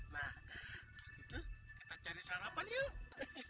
nah itu kita cari sarapan yuk